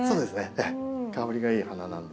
香りがいい花なんですけども。